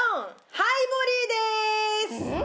ハイボリーですうん？